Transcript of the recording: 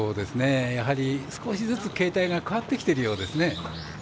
少しずつ形態が変わってきているようですね。